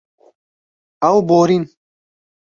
Ew borîn.